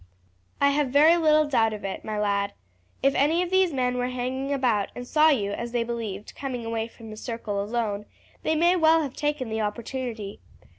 "I have very little doubt of it, my lad. If any of these men were hanging about and saw you as they believed coming away from the circle alone, they may well have taken the opportunity.